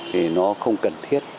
thì nó không cần thiết